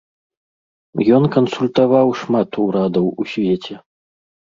Ён кансультаваў шмат урадаў у свеце.